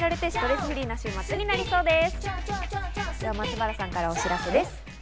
松原さんからお知らせです。